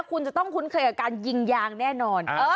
คุณจะต้องคุ้นเคยกับการยิงยางแน่นอน